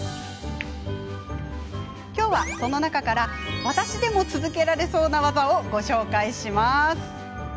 今日は、その中から私でも続けられそうな技をご紹介します。